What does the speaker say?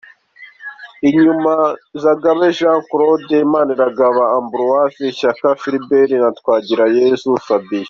Inyuma: Zagabe Jean Claude, Manirarora Ambroise, Shyaka Philbert na Twagirayezu Fabien.